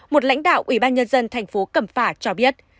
một lãnh đạo ủy ban nhân dân thành phố cẩm phả cho biết